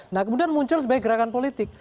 nah kemudian muncul sebagai gerakan politik